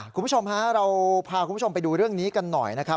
คุณผู้ชมฮะเราพาคุณผู้ชมไปดูเรื่องนี้กันหน่อยนะครับ